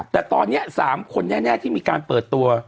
แต่ตอนนี้๓คนแน่ที่มีการเปิดตัว